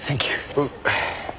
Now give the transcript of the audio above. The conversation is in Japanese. おう。